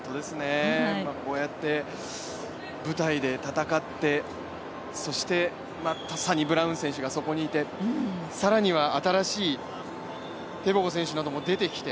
こうやって舞台で戦って、そしてサニブラウンがそこにいて、更には新しいテボゴ選手なども出てきて。